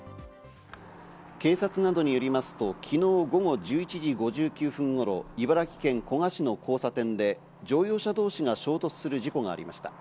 警察などによりますと昨日午後１１時５９分頃、茨城県古河市の交差点で乗用車同士が衝突する事故がありました。